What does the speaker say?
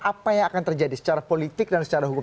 apa yang akan terjadi secara politik dan secara hukum